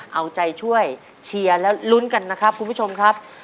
เอาใจช่วยเชียร์และลุ้นกันนะครับคุณผู้ชมครับ